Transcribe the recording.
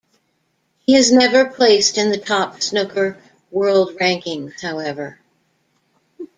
He has never placed in the top snooker world rankings, however.